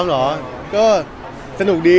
ก็สนุกดีสนุกดี